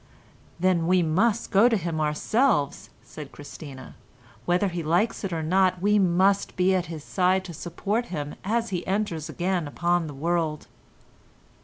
"Then we must go to him ourselves," said Christina, "whether he likes it or not we must be at his side to support him as he enters again upon the world."